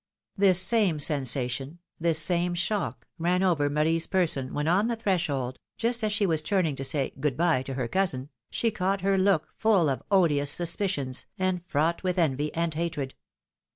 This same sensation, this same shock, ran over Marie's person, when on the threshold, just as she was turning to say good bye" to her cousin, she caught her look full of odious suspicions, and fraught with envy and hatred.